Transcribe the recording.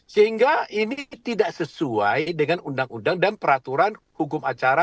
sehingga ini tidak sesuai dengan undang undang dan peraturan hukum acara